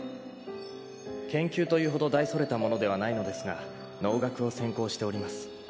「研究というほど大それたものではないのですが農学を専攻しております」